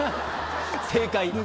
正解！